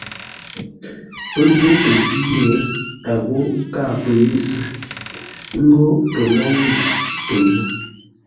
Pə́ ghó pə́ jwî yé, a ghó kâa pə́ yé zʉ́, ə́ ngó pə lôu ngu pə́ nó.